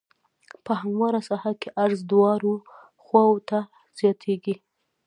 په همواره ساحه کې عرض دواړو خواوو ته زیاتیږي